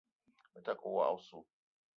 Me ta ke woko oso.